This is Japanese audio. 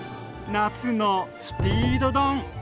「夏のスピード丼」。